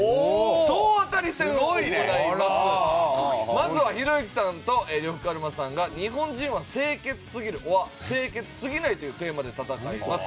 まずはひろゆきさんと呂布カルマさんが「日本人は清潔すぎるｏｒ清潔すぎない」というテーマで戦います。